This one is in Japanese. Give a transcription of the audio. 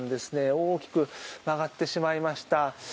大きく曲がってしまいました。